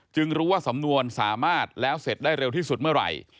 รู้ว่าสำนวนสามารถแล้วเสร็จได้เร็วที่สุดเมื่อไหร่